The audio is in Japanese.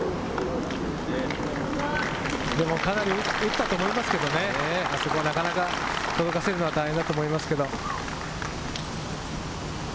かなり打ったと思いますけれど、なかなか届かせるのは大変だと思います。